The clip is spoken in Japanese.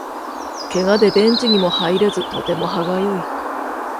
ケガでベンチにも入れずとても歯がゆい